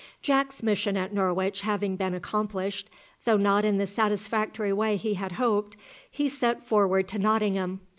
Jack's mission at Norwich having been accomplished, though not in the satisfactory way he had hoped, he set forward to Nottingham.